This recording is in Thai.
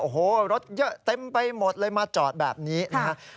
โอ้โหรถเยอะเต็มไปหมดเลยมาจอดแบบนี้นะครับ